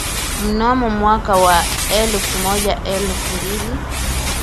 mnamo mwaka elfu moja elfu mbili